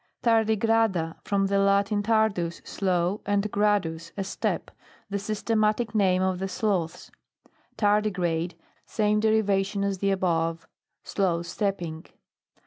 TARDIGRADA. From the Latin, tar dus t slow, and gradus, a step. The systematic name of the sloths. TARDIGRADE. Same derivation as the above. Slow stepping.